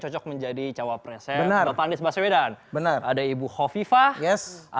cocok menjadi cawapresnya benar benar panis bahasa w dan benar ada ibu hovifah yes ada ibu